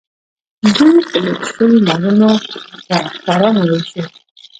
دوی به لوټ شوي مالونه په خوارانو ویشل.